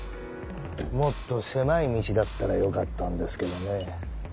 もっと狭い道だったらよかったんですけどね。